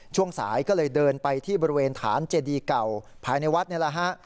ช่วงสายก็เลยเดินไปที่บริเวณฐานเจดีเก่าภายในวัดนี่แหละฮะ